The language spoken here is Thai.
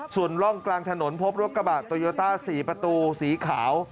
ส่วนร่องกลางถนนพบรถกระบะโตโยต้า๔ประตูสีขาว